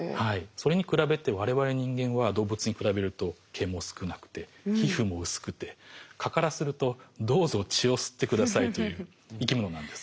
それに比べてわれわれ人間は動物に比べると毛も少なくて皮膚も薄くて蚊からするとどうぞ血を吸って下さいという生き物なんです。